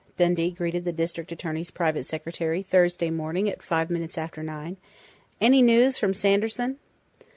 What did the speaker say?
Dundee greeted the district attorney's private secretary Thursday morning at five minutes after nine. "Any news from Sanderson?"